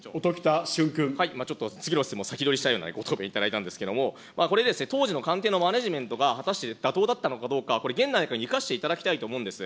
ちょっと次の質問を先取りしたようなご答弁いただいたんですけれども、これですね、当時の官邸のマネジメントが果たして妥当だったのかどうか、これ、現内閣に生かしていただきたいと思うんです。